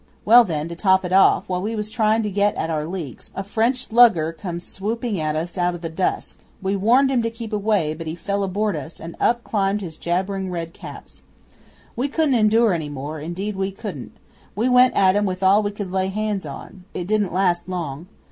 'Well, then, to top it off, while we was trying to get at our leaks, a French lugger come swooping at us out o' the dusk. We warned him to keep away, but he fell aboard us, and up climbed his Jabbering red caps. We couldn't endure any more indeed we couldn't. We went at 'em with all we could lay hands on. It didn't last long.